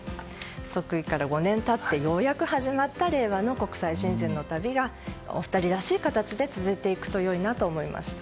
即位から５年経ってようやく始まった令和の国際親善の旅がお二人らしい形で続いていくと良いなと思いました。